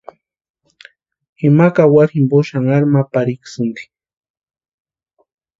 Ima kawaru jimpo xanharu ma parhikusti.